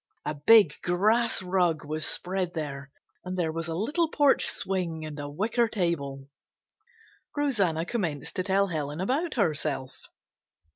A big grass rug was spread there, and there was a little porch swing and a wicker table. Rosanna commenced to tell Helen about herself.